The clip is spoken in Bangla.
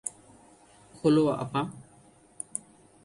খোলো, আপা।